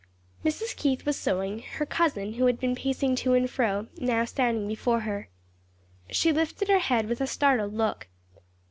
Mrs. Keith was sewing, her cousin who had been pacing to and fro, now standing before her. She lifted her head with a startled look.